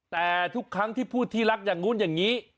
แต่ทุกครั้งที่พูดที่รักอย่างนู้นอย่างนี้